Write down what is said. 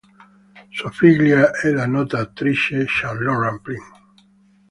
Sua figlia è la nota attrice Charlotte Rampling.